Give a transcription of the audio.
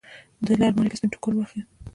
ده له المارۍ څخه سپين ټوکر واخېست.